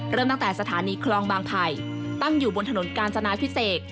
เริ่มตั้งแต่สถานีคลองบางไผ่ตั้งอยู่บนถนนกาญจนาพิเศษ